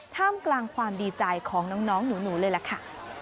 ท่ามกลางความดีใจของน้องหนูเลยล่ะค่ะ